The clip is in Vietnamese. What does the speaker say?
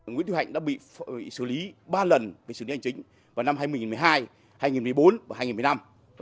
nguyễn thúy hạnh đã bị xử lý ba lần bị xử lý hành chính vào năm hai nghìn một mươi hai hai nghìn một mươi bốn và hai nghìn một mươi năm